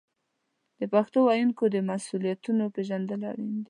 د پښتو ویونکو د مسوولیتونو پیژندل اړین دي.